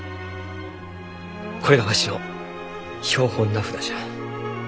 これがわしの標本名札じゃ。